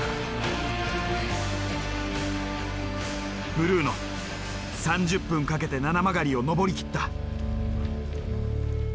ブルーノ３０分かけて七曲がりを上り切った。